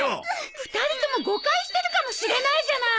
２人とも誤解してるかもしれないじゃない。